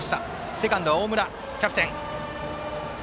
セカンド、大村、キャプテン。